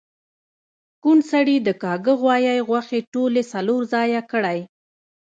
کوڼ سړي د کاږه غوایی غوښې ټولی څلور ځایه کړی